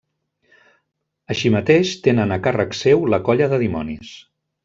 Així mateix tenen a càrrec seu la colla de dimonis.